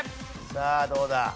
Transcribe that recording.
さあどうだ？